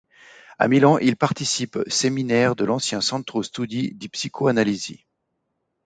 À Milan, il participe séminaires de l’ancien Centro Studi di Psicoanalisi.